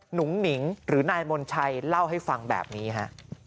หุงหนิงหรือนายมนชัยเล่าให้ฟังแบบนี้ฮะ